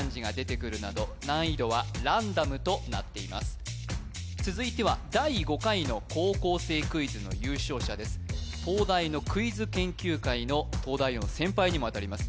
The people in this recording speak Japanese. そっかそうよ今回続いては第５回の「高校生クイズ」の優勝者です東大のクイズ研究会の東大王の先輩にもあたります